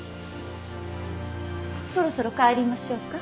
そろそろ帰りましょうか。